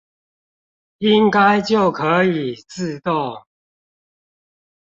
應該就可以自動